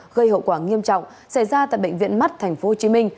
gây hậu quả nghiêm trọng xảy ra tại bệnh viện mắt tp hcm